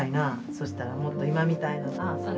そしたらもっと今みたいなさ。